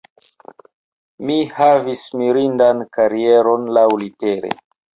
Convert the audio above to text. Mi havis mirindan karieron laŭlitere.